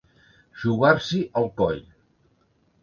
Jugar-s'hi el coll.